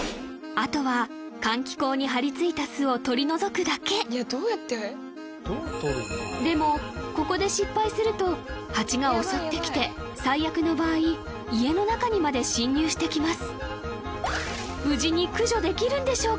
あとは換気口に張り付いた巣を取り除くだけでもここで失敗するとハチが襲ってきて最悪の場合家の中にまで侵入してきます